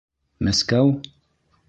Мәскәү?